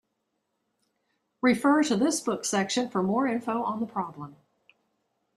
Refer to this book section for more info on the problem.